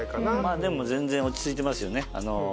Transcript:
でも全然落ち着いてますよね。